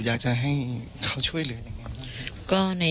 อยากจะให้เขาช่วยเหลืออย่างนี้